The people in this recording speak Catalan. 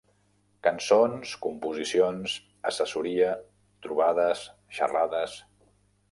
Cançons, composicions, assessoria, trobades, xerrades.